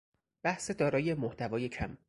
بحث دارای محتوای کم